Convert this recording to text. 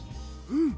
うん！